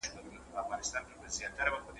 ږغ یې پورته په هنر سو